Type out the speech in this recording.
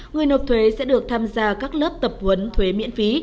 người nộp thuế sẽ được tham gia các lớp tập huấn thuế miễn phí